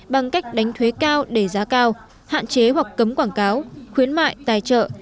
bằng cách đánh thuế cao để giá cao hạn chế hoặc cấm quảng cáo khuyến mại tài trợ